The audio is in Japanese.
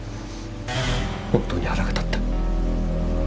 本当に腹が立った。